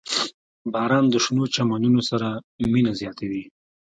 • باران د شنو چمنونو سره مینه زیاتوي.